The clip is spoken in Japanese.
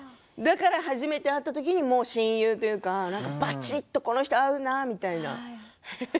だから初めて会った時に親友というかばちっとこの人、合うなって。